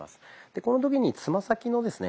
この時につま先のですね